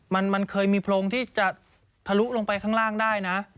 มันเคยมีโพรงที่จะทะลุลงไปข้างล่างได้นะ